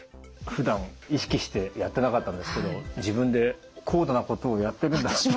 ふだん意識してやってなかったんですけど自分で高度なことをやってるんだなって。